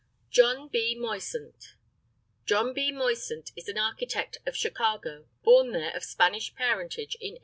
JOHN B. MOISANT. JOHN B. MOISANT is an architect of Chicago, born there of Spanish parentage in 1883.